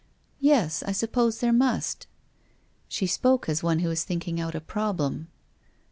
Yes, I suppose there must." She spoke as one who is thinking out a problem.